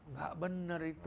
nggak benar itu